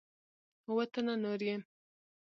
اووه تنه نور یې